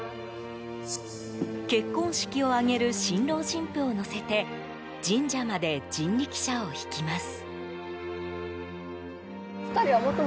結婚式を挙げる新郎新婦を乗せて神社まで人力車を引きます。